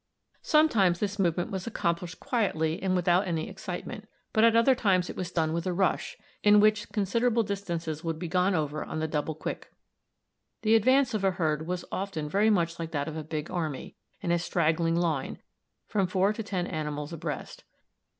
Sometimes this movement was accomplished quietly and without any excitement, but at other times it was done with a rush, in which considerable distances would be gone over on the double quick. The advance of a herd was often very much like that of a big army, in a straggling line, from four to ten animals abreast.